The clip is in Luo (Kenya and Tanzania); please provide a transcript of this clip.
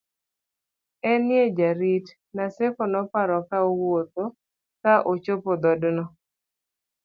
en ye jarit, Naseko noparo ka owuodho ka ochomo dhodno